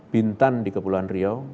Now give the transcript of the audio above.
bintan di kepulauan riau